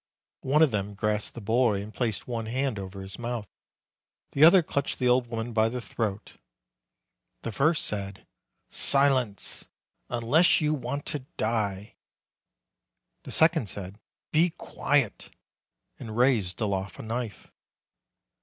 One of them grasped the boy and placed one hand over his mouth; the other clutched the old woman by the throat. The first said: "Silence, unless you want to die!" The second said: "Be quiet!" and raised aloft a knife.